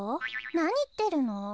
なにいってるの？